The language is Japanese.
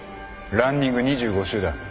ランニング２５周だ。